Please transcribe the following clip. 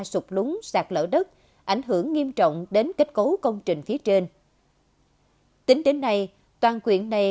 sụt lúng sạt lỡ đất ảnh hưởng nghiêm trọng đến kết cấu công trình phía trên tính đến nay toàn quyện này